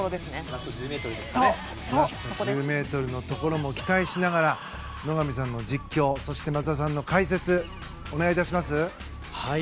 ラスト１０ｍのところも期待しながら野上さんの実況そして松田さんの解説お願い致します。